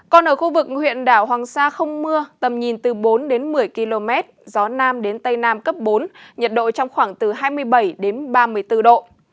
còn ở khu vực huyện đảo hoàng sa không mưa tầm nhìn từ bốn đến một mươi km gió nam đến tây nam cấp bốn nhiệt độ trong khoảng từ hai mươi bảy đến ba mươi bốn độ